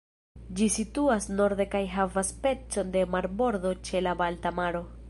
Ĝi situas norde kaj havas pecon de marbordo ĉe la Balta maro.